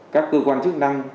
các cơ quan chức năng